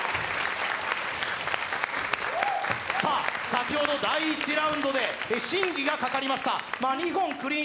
先ほど第１ラウンドで審議がかかりました。